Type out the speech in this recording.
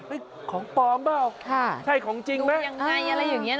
เฮ้ยของปลอมเปล่าใช่ของจริงไหมครับ